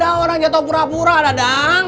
mana ada orang jatoh pura pura ada dang